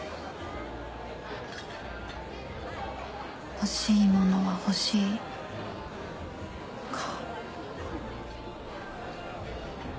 欲しいものは欲しいか。